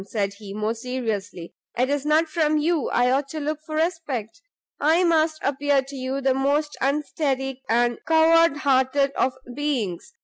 said he, more seriously, "it is not from you I ought to look for respect! I must appear to you the most unsteady and coward hearted of beings.